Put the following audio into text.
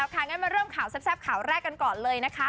ค่ะไปแล้วค่ะงั้นมาเริ่มข่าวแซ่บแซ่บข่าวแรกกันก่อนเลยนะคะ